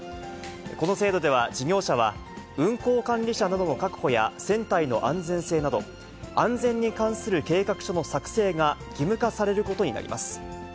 この制度では、事業者は、運航管理者などの確保や船体の安全性など、安全に関する計画書の作成が義務化されることになります。